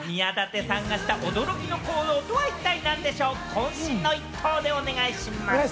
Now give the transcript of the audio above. こん身の一答でお願いします！